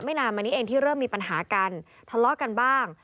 นานมานี้เองที่เริ่มมีปัญหากันทะเลาะกันบ้าง